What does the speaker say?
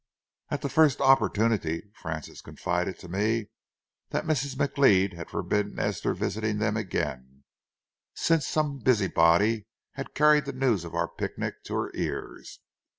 At the first opportunity, Frances confided to me that Mrs. McLeod had forbidden Esther visiting them again, since some busybody had carried the news of our picnic to her ears.